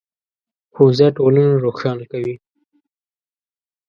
ښوونځی ټولنه روښانه کوي